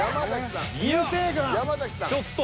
ちょっと。